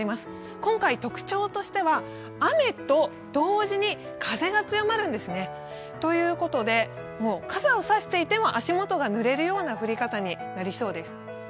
今回、特徴としては雨と同時に風が強まるんですね。ということで傘を差していても、足元がぬれるような降り方になりそうです。